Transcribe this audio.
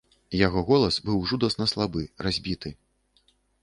Яго голас быў жудасна слабы, разбіты.